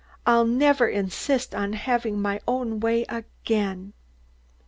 I'll never insist on having my own way again."